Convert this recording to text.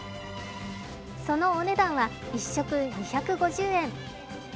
そのお値段は、１食２５０円。